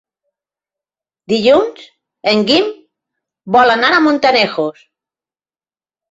Dilluns en Guim vol anar a Montanejos.